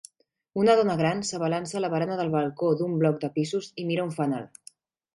Una dona gran s'abalança a la barana del balcó d'un bloc de pisos i mira un fanal.